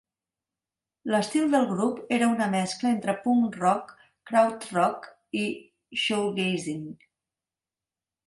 L'estil del grup era una mescla entre punk rock, krautrock i shoegazing.